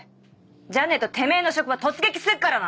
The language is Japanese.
じゃねえとてめぇの職場突撃するからな！